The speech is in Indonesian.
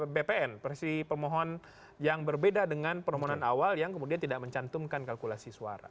bpn versi pemohon yang berbeda dengan permohonan awal yang kemudian tidak mencantumkan kalkulasi suara